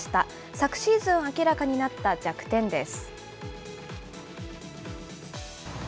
昨シーズン明らかになった弱点です。